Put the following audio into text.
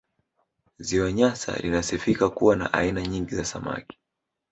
Ziwa Nyasa linasifika kuwa na aina nyingi za samaki